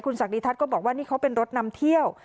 ศักดิทัศน์ก็บอกว่านี่เขาเป็นรถนำเที่ยว